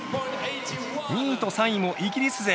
２位と３位もイギリス勢。